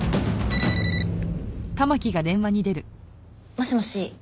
もしもし。